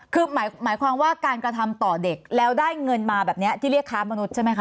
คือหมายความว่าการกระทำต่อเด็กแล้วได้เงินมาแบบนี้ที่เรียกค้ามนุษย์ใช่ไหมคะ